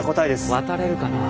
渡れるかなあ。